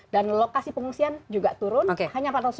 dan lokasi pengungsian juga turun hanya empat ratus sembilan